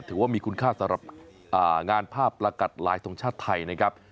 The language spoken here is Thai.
ถือว่ามีคุณค่าสำหรับงานภาพประกัดลายทรงชาติไทยนะครับ